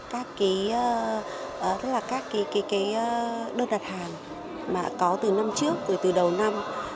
các đơn đặt hàng có từ năm trước từ đầu năm